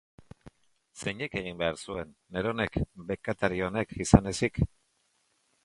Zeinek egin behar zuen, neronek, bekatari honek, izan ezik?